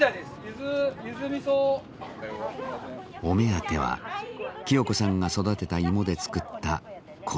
お目当ては清子さんが育てた芋で作ったこんにゃくです。